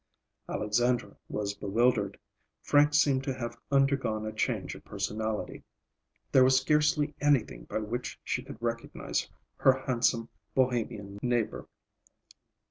Alexandra was bewildered. Frank seemed to have undergone a change of personality. There was scarcely anything by which she could recognize her handsome Bohemian neighbor.